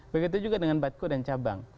begitu juga dengan batco dan cabang